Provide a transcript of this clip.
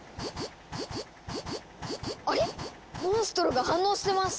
あれ⁉モンストロが反応してます！